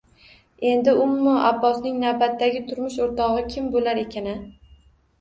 Endi Ummu Abbosning navbatdagi turmush o`rtog`i kim bo`lar ekan-a